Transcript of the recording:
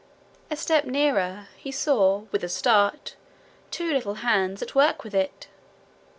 A step nearer, he saw, with a start, two little hands at work with it.